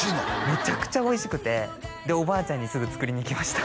めちゃくちゃおいしくてでおばあちゃんにすぐ作りに行きました